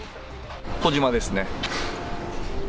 小島ですね。